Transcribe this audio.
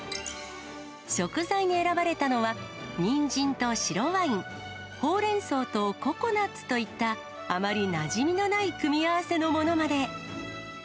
食材に選ばれたのは、にんじんと白ワイン、ほうれんそうとココナッツといったあまりなじみのない組み合わせのものまで。